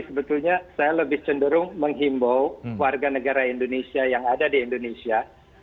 sebetulnya saya lebih cenderung menghimbau warga negara indonesia yang ada di indonesia